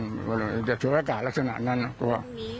กลัวเหมือนกันแต่เฉียวอากาศลักษณะนั้นกลัว